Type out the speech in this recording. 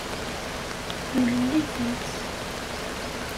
Yulel-itent.